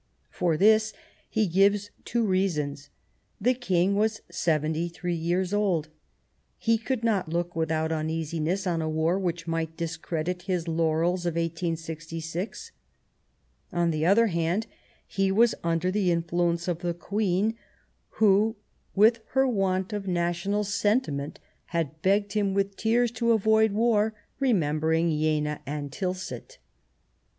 For this he gives at Ems , two reasons : the Kmg was seventy three years old ; he could not look without uneasiness on a war which might discredit his laurels of 1866 ; on the other hand, he was under the influence of the Queen, who, with " her want of 122 The War of 1870 national sentiment," had begged him with tears to avoid war, remembering Jena and Tilsit.